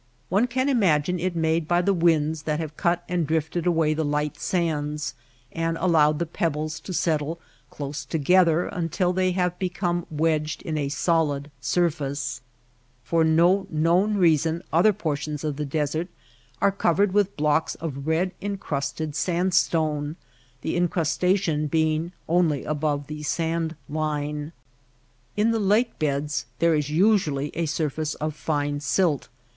One can imagine it made by the winds that have cut and drifted away the light sands and allowed the pebbles to settle close together until they Stages of the talus. Desert floors. 40 THE DESERT Sandstone blocks. Salt beds. Sand beds. have become wedged in a solid surface. For no known reason other portions of the desert are covered with blocks of red incrusted sandstone — the incrustation being only above the sand line. In the lake beds there is usually a surface of fine silt.